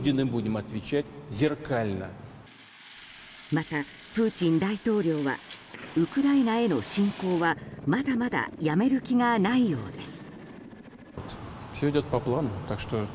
またプーチン大統領はウクライナへの侵攻はまだまだやめる気がないようです。